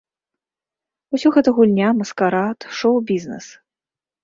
Усё гэта гульня, маскарад, шоў-бізнэс.